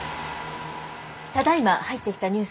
ただ今入ってきたニュースです。